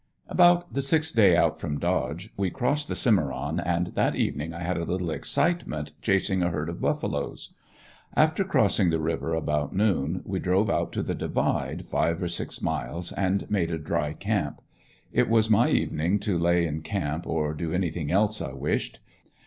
About the sixth day out from Dodge we crossed the Cimeron and that evening I had a little excitement chasing a herd of buffaloes. After crossing the river about noon, we drove out to the divide, five or six miles and made a "dry" camp. It was my evening to lay in camp, or do anything else I wished.